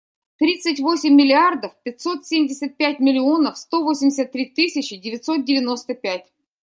Тридцать восемь миллиардов пятьсот семьдесят пять миллионов сто восемьдесят три тысячи девятьсот девяносто пять.